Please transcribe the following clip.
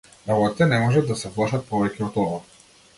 Работите не можат да се влошат повеќе од ова.